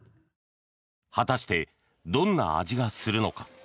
果たして、どんな味がするのか。